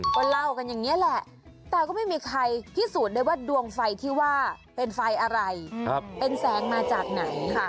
ก็เล่ากันอย่างนี้แหละแต่ก็ไม่มีใครพิสูจน์ได้ว่าดวงไฟที่ว่าเป็นไฟอะไรเป็นแสงมาจากไหน